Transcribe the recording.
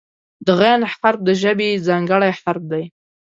د "غ" حرف د ژبې ځانګړی حرف دی.